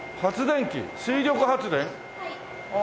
はい。